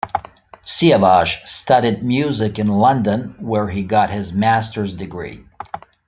Siavash studied music in London where he got his Master's degree.